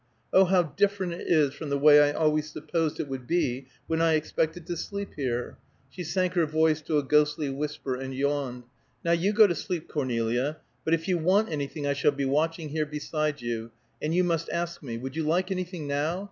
"Oh, how different it is from the way I always supposed it would be when I expected to sleep here!" She sank her voice to a ghostly whisper, and yawned. "Now you go to sleep, Cornelia; but if you want anything I shall be watching here beside you, and you must ask me. Would you like anything now?